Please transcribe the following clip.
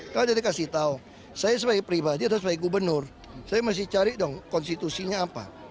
kalau dia dikasih tahu saya sebagai pribadi atau sebagai gubernur saya masih cari dong konstitusinya apa